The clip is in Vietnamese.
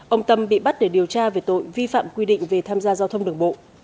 ông tâm bị bắt để điều tra về tội vi phạm quy định về tham gia giao thông đường bộ